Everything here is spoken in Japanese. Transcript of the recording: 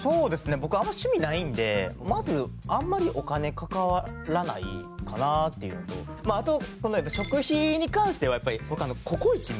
僕あんま趣味ないんでまずあんまりお金かからないかなっていうのとあと食費に関してはやっぱり僕。